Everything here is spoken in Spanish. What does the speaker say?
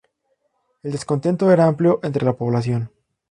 El descontento era amplio entre la población.